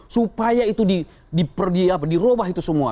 supaya itu diperdiapa dirobah itu semua